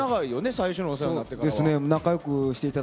最初にお世話になってから。